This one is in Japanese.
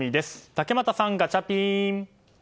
竹俣さん、ガチャピン！